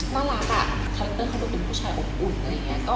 คนตัวเพราะก็เป็นผู้ชายอบอุ่น